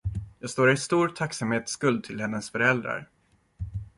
Jag står i stor tacksamhetsskuld till hennes föräldrar.